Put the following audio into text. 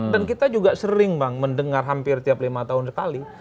dan kita juga sering bang mendengar hampir tiap lima tahun sekali